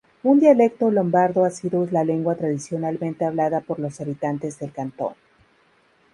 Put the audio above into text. Un dialecto lombardo ha sido la lengua tradicionalmente hablada por los habitantes del cantón.